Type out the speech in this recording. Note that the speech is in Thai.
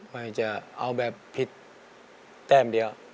ไม่จะเอาแบบผิดแต้มเดียว